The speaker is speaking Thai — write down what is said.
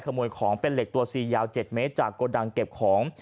ขโมยของเป็นเหล็กตัวซียาว๗เมตรจากโกดังเก็บของ